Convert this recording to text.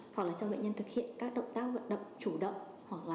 hoặc là cho bệnh nhân thực hiện các động tác vận động chủ động